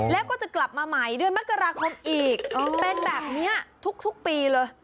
แล้วก็จะกลับมาใหม่เดือนมกราคมอีกเป็นแบบนี้ทุกปีเลย